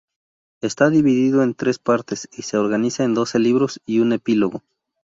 Está dividido en tres partes y se organiza en doce libros y un epílogo.